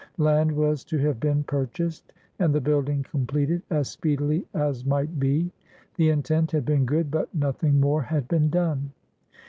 Land was to have been purchased and the building completed as speedily as might be. The intent had been good, but noth ing more had been done.